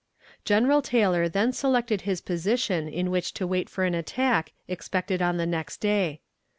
General Taylor then selected his position in which to wait for an attack expected on the next day.